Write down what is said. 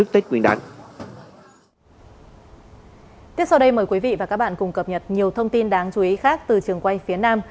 xin mời quý vị và các bạn cùng cập nhật nhiều thông tin đáng chú ý khác từ trường quay phía nam